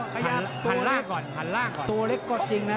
ขยับตัวเล็กก่อนตัวเล็กก็จริงนะ